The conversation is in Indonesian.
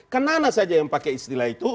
karena nana saja yang pakai istilah itu